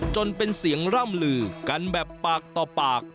จนเป็นเสียงร่ำลือกันแบบปากต่อปาก